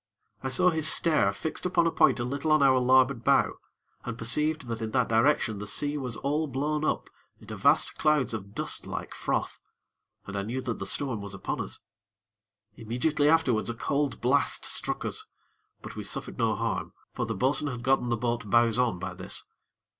I saw his stare fixed upon a point a little on our larboard bow, and perceived that in that direction the sea was all blown up into vast clouds of dust like froth, and I knew that the storm was upon us. Immediately afterwards a cold blast struck us; but we suffered no harm, for the bo'sun had gotten the boat bows on by this.